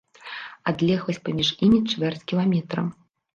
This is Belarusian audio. Адлегласць паміж імі чвэрць кіламетра.